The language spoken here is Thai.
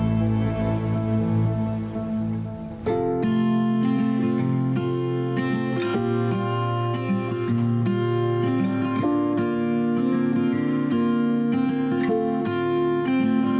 ทำไรของพี่เนี่ย